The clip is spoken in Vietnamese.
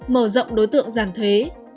mở rộng đối tượng giảm thuế